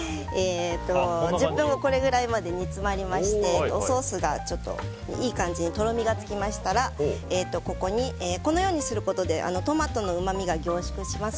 １０分後これぐらい煮詰まりましてソースがいい感じにとろみがつきましたらこのようにすることでトマトのうまみが凝縮します。